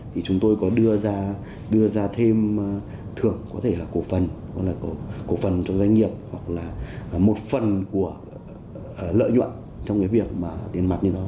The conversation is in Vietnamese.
thì chúng tôi có đưa ra thêm thưởng có thể là cổ phần cho doanh nghiệp hoặc là một phần của lợi nhuận trong việc tiền mặt như đó